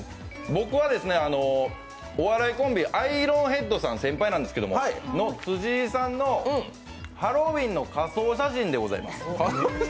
僕はですね、お笑いコンビアイロンヘッドさん、先輩なんですけども辻井さんのハロウィンの仮装写真でございます。